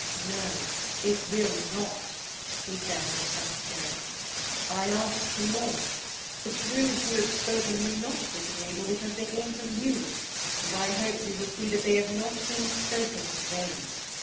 "No, it will not," he said with some spirit; "I ask for more; the truths you have spoken were not disagreeable, because they came from you, and I hope you will see they have not been spoken in vain.